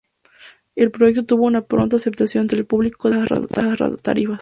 El proyecto tuvo una pronta aceptación entre el público debido a sus bajas tarifas.